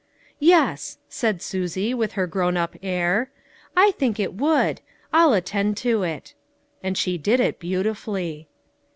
"" Yes," said Susie, with her grown up air, " I think it would ; I'll attend to it." And she did it beautifully.